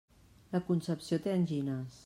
La Concepció té angines.